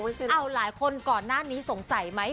เอาหลายคนก่อนหน้านี้สงสัยไหม